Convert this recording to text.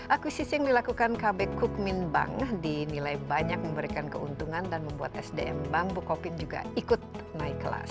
akuisisi yang dilakukan kb kukmin bank dinilai banyak memberikan keuntungan dan membuat sdm bank bukopin juga ikut naik kelas